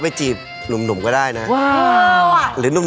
น่ารักก็บอกว่ามันละมุน